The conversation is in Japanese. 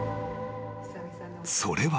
［それは］